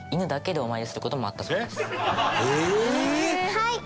はい！